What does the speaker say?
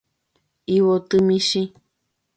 Yvoty michĩ.